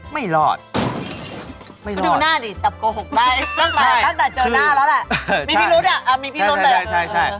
มีรุ๊ดอ่ะมีพี่รุ๊ดเลย